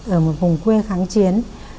ở một vùng quê kháng chiến